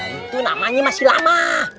itu namanya masih lama